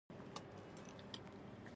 دنړۍ مسلمانان له ولږې مري.